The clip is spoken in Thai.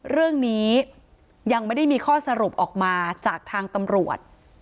เรื่องนี้ยังไม่ได้มีข้อสรุปออกมาจากทางตำรวจ